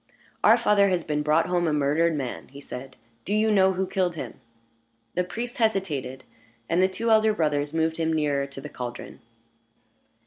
"Our father has been brought home a murdered man," he said. "Do you know who killed him?" The priest hesitated, and the two elder brothers moved him nearer to the caldron.